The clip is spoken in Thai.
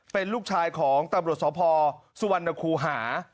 เป็นลูกชายของตำรวจสพสุวรรณคูหา